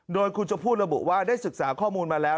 โดยคุณชมพู่ระบุว่าได้ศึกษาข้อมูลมาแล้ว